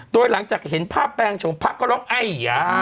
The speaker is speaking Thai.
โดยหลังจากเห็นภาพแปลงชมพระก็ร้องไอ้ยา